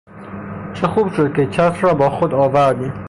چه خوب شد که چتر را با خود آوردیم.